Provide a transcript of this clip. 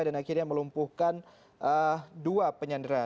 dan akhirnya melumpuhkan dua penyandera